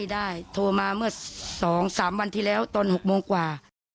ได้โทรมาเมื่อ๒๓วันที่แล้วตอน๖โมงกว่า